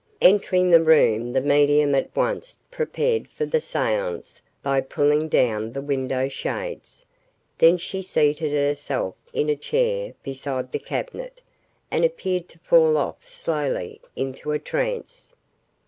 Entering the room the medium at once prepared for the seance by pulling down the window shades. Then she seated herself in a chair beside the cabinet, and appeared to fall off slowly into a trance.